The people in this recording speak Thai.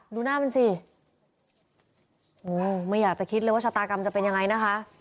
ดูหน้ามันสิโอ้ไม่อยากจะคิดเลยว่าชะตากรรมจะเป็นยังไงนะคะ